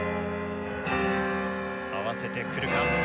合わせてくるか？